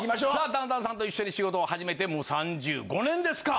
ダウンタウンさんと一緒に仕事を始めてもう３５年ですか。